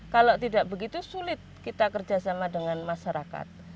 kalau tidak begitu sulit kita kerjasama dengan masyarakat